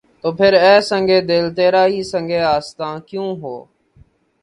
تو پھر‘ اے سنگ دل! تیرا ہی سنگِ آستاں کیوں ہو؟